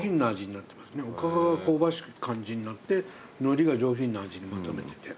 おかかが香ばしい感じになってのりが上品な味にまとめてて。